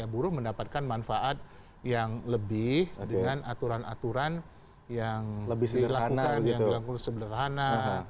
buruh mendapatkan manfaat yang lebih dengan aturan aturan yang dilakukan yang sederhana